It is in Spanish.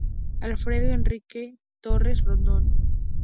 Alfredo Enrique Torres Rondón.